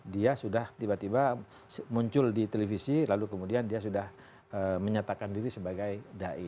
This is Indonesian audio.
dia sudah tiba tiba muncul di televisi lalu kemudian dia sudah menyatakan diri sebagai dai